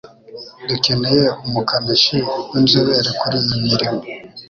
Dukeneye umukanishi winzobere kuriyi mirimo.